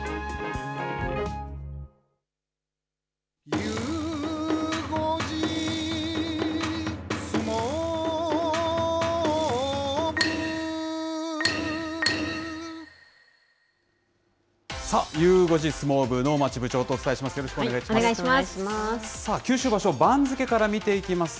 ゆう５時相撲部、能町部長とお伝えします。